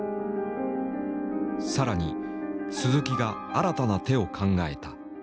更に鈴木が新たな手を考えた。